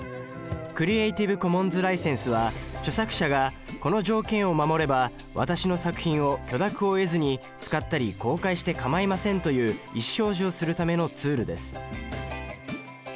クリエイティブ・コモンズ・ライセンスは著作者が「この条件を守れば私の作品を許諾を得ずに使ったり公開して構いません」という意思表示をするためのツールです。